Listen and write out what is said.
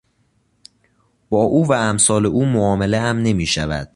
با او و امثال او معاملهام نمیشود.